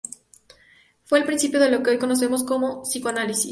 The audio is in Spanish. Fue el principio de lo que hoy conocemos como psicoanálisis.